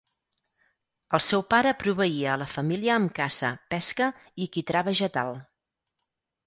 El seu pare proveïa a la família amb caça, pesca i quitrà vegetal.